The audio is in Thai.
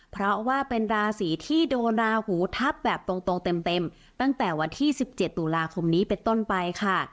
เพราะว่าเป็นราศีที่โดนราหูทับแบบตรงเต็มตั้งแต่วันที่๑๗ตุลาคมนี้เป็นต้นไปค่ะ